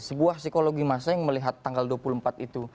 sebuah psikologi masa yang melihat tanggal dua puluh empat itu